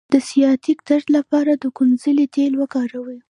د سیاتیک درد لپاره د کونځلې تېل وکاروئ